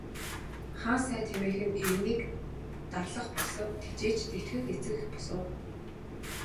Хаан сайд хэмээх нь иргэнийг дарлах бус, тэжээж тэтгэх эцэг эх бус уу.